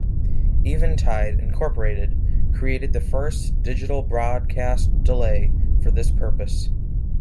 Eventide, Incorporated created the first digital broadcast delay for this purpose.